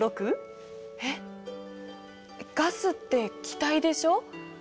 えっガスって気体でしょ。